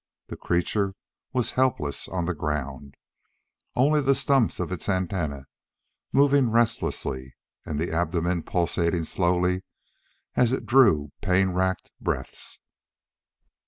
The creature was helpless on the ground, only the stumps of its antennae moving restlessly and the abdomen pulsating slowly as it drew pain racked breaths.